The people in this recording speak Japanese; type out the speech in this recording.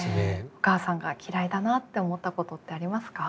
お母さんが嫌いだなって思ったことってありますか？